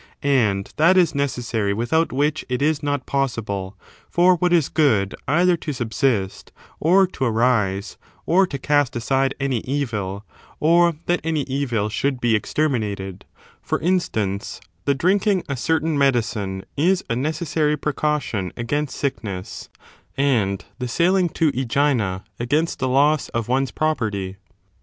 And that is necessary without which it is not possible for what is good either to subsist, or to arise, or to cast aside any evil, or that any evil should be exterminated ; for instance, the drinking a certain medicine is a necessary precaution against sickness, and the sailing to iEgina,^ against the loss of one's property.